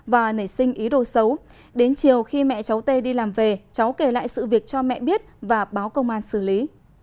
và nảy sinh ý đồ xấu đến chiều khi mẹ cháu tê đi làm về cháu kể lại sự việc cho mẹ biết và báo công an xử lý